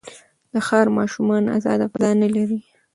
د ښار ماشومان ازاده فضا نه لري.